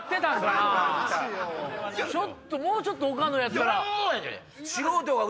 もうちょっと岡野やったら。